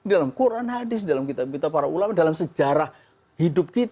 dalam quran hadis dalam kitab kitab para ulama dalam sejarah hidup kita